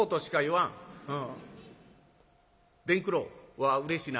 「わあうれしいな。